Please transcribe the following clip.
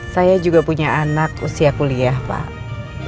saya juga punya anak usia kuliah pak